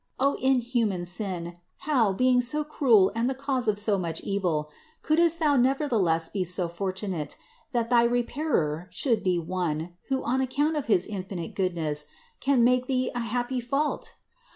O inhuman sin, how, being so cruel and the cause of so much evil, couldst thou nevertheless be so fortunate, that thy Repairer should be One, who on account of his infinite Goodness, can make thee a "happy fault!"